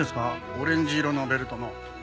オレンジ色のベルトの。